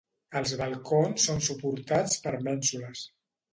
Els balcons són suportats per mènsules.